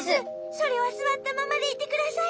それはすわったままでいてください。